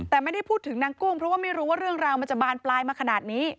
แต่ไม่ได้พูดถึงนางกุ้งเพราะว่าไม่รู้ว่าเรื่องราวมันจะบานปลายมาขนาดนี้